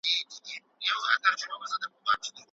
تاسو به له هر ډول ناهیلیو څخه لیري اوسئ.